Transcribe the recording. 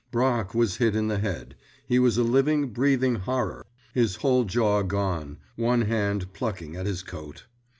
Bracques was hit in the head—he was a living, breathing horror, his whole jaw gone—one hand plucking at his coat.